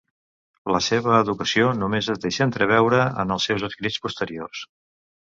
La seva educació només es deixa entreveure en els seus escrits posteriors.